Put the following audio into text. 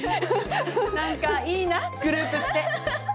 なんかいいなグループって。